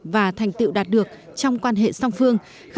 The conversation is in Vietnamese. và thành tựu đạt được trong quan hệ song phương